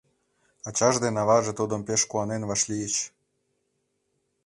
Ачаж ден аваже тудым пеш куанен вашлийыч.